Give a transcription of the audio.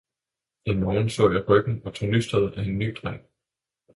En morgen så jeg ryggen og tornystret af en ny dreng.